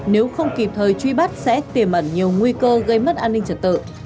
nếu không kịp thời truy bắt sẽ tiềm ẩn nhiều nguy cơ gây mất an ninh trật tự